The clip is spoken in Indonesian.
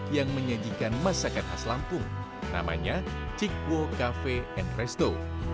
yang menyajikan masakan khas lampung namanya cikwo cafe resto